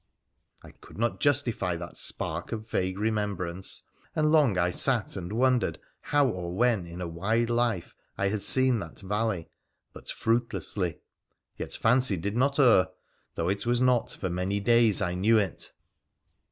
I could not justify that spark of vague remembrance, and long I sat and won dered how or when in a wide life I had seen that valley, but fruitlessly. Yet fancy did not err, though it was not for many days I knew it.